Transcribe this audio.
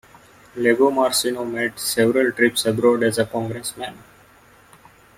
Lagomarsino made several trips abroad as a congressman.